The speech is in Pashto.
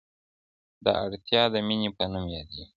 دا اړتیا د مینی په نوم یادیږي.